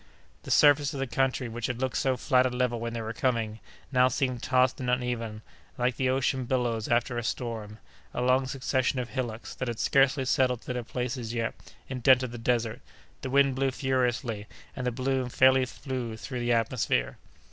The surface of the country, which had looked so flat and level when they were coming, now seemed tossed and uneven, like the ocean billows after a storm; a long succession of hillocks, that had scarcely settled to their places yet, indented the desert; the wind blew furiously, and the balloon fairly flew through the atmosphere.